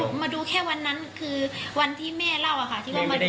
หมอสุดีมาดูแค่วันนั้นคือวันที่แม่เล่าค่ะ